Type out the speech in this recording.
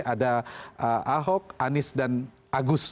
ada ahok anies dan agus